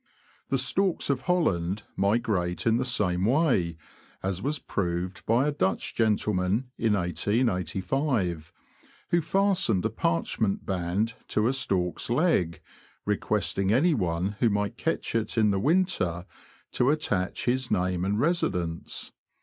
The storks of Holland migrate in the same way, as was proved by a Dutch gentleman, in 1885, who fastened a parchment band to a stork's leg, requesting anyone who might catch it in the winter to attach his name and residence.